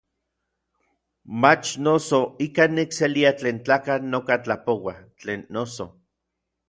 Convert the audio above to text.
Mach noso ikan nikselia tlen tlakatl noka tlapoua; tlen noso.